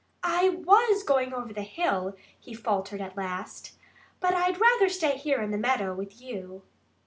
"I WAS going over the hill," he faltered at last. "But I'd rather stay here in the meadow with you."